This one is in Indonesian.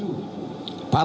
yang bertemu dengan presiden